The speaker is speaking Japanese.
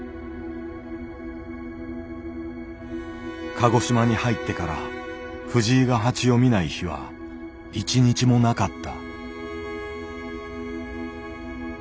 鹿児島に入ってから藤井が蜂を見ない日は一日もなかった。